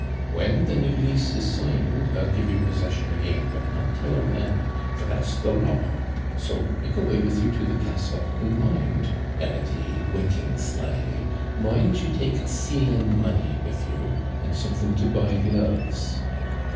'When the new lease is signed, I'll give you possession again; but not till then for that's the law. So make away with you to the castle; and mind,' added he, winking slily, 'mind you take sealing money with you, and something to buy gloves.'